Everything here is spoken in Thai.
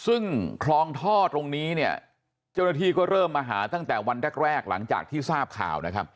ซึ่งคลองท่อตรงนี้เนี่ยเจ้าหน้าที่ก็เริ่มมาหาตั้งแต่วันแรกหลังจากที่ทราบข่าวนะครับ